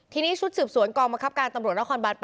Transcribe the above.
ทีนี้ชุดสืบสวนกองบังคับการตำรวจนครบาน๘